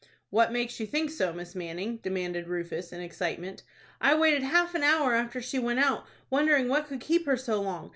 "What makes you think so, Miss Manning?" demanded Rufus, in excitement. "I waited half an hour after she went out, wondering what could keep her so long.